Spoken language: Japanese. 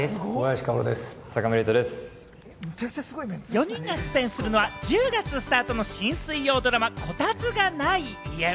４人が出演するのは、１０月スタートの新水曜ドラマ『コタツがない家』。